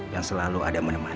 yang selalu ada menempatkan